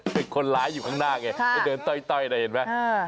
เป็นคนร้ายอยู่ข้างหน้าไงไปเดินต้อยนะเห็นไหม